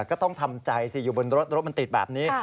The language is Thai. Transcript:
ก็ต้องทำใจสิอยู่บนรถรถมันติดแบบนี้